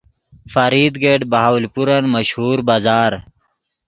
فرید گیٹ بہاولپورن مشہور بازار